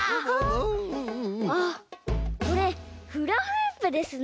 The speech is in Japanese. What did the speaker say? あっこれフラフープですね。